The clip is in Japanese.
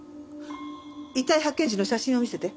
遺体発見時の写真を見せて。